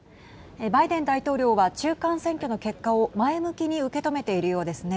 バイデン大統領は中間選挙の結果を前向きに受け止めているようですね。